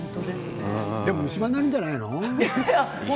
でも虫歯になるんじゃないの？